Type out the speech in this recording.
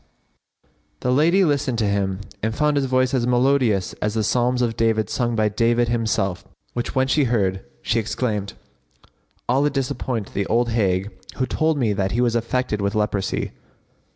[FN#56] The lady listened to him and found his voice as melodious as the psalms of David sung by David himself,[FN#57] which when she heard, she exclaimed, "Allah disappoint the old hag who told me that he was affected with leprosy!